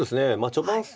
序盤戦